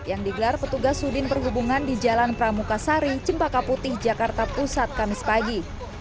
yang digelar petugas sudin perhubungan di jalan pramuka sari cempaka putih jakarta pusat kamis pagi